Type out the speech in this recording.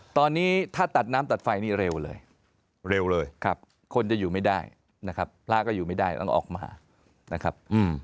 ตอนนี้ถ้าตัดน้ำตัดไฟนี่เร็วเลยเร็วเลยคนจะอยู่ไม่ได้นะครับพระก็อยู่ไม่ได้ต้องออกมานะครับ